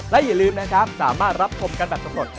และอย่าลืมนะครับสามารถรับชมกันแบบสำรวจ